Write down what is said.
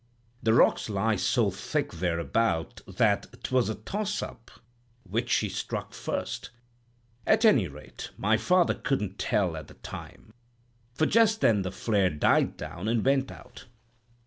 The rocks lie so thick thereabout that 'twas a toss up which she struck first; at any rate, my father could'nt tell at the time, for just then the flare died down and went out.